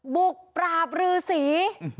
บุกปราบรือสี